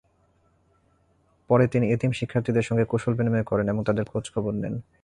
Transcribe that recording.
পরে তিনি এতিম শিক্ষার্থীদের সঙ্গে কুশল বিনিময় করেন এবং তাদের খোঁজ-খবর নেন।